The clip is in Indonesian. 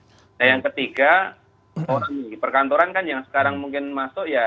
orang yang diperkantoran kan yang sekarang mungkin masuk ya